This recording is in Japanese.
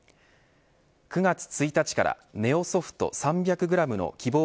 ９月１日からネオソフト３００グラムの希望